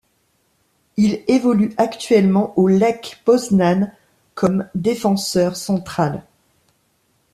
Il évolue actuellement au Lech Poznań comme défenseur central.